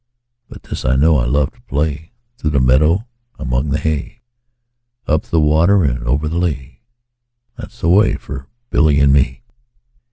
20 But this I know, I love to play Through the meadow, among the hay; Up the water and over the lea, That 's the way for Billy and me.